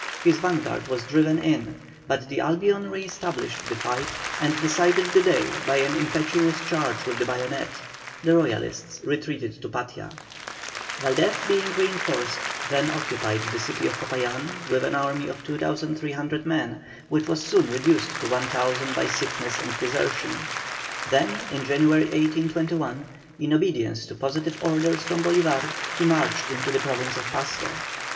His vanguard was driven in, but the Albion re established the fight, and decided the day by an impetuous charge with the bayonet; the Royalists retreated to Patia. Valdez being reinforced, then occupied the city of Popayán with an army of 2,300 men, which was soon reduced to 1,000 by sickness and desertion. Then in January, 1821, in obedience to positive orders from Bolívar, he marched into the Province of Pasto.